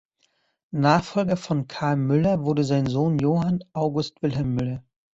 Nachfolger von Carl Müller wurde sein Sohn Johann August Wilhelm Müller.